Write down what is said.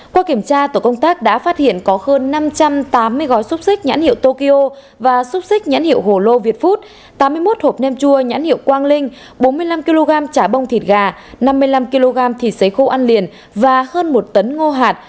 qua kiểm tra tổ công tác đã phát hiện có hơn năm trăm tám mươi gói xúc xích nhãn hiệu tokyo và xúc xích nhãn hiệu hổ lô việt food tám mươi một hộp nem chua nhãn hiệu quang linh bốn mươi năm kg chả bông thịt gà năm mươi năm kg thịt xấy khô ăn liền và hơn một tấn ngô hạt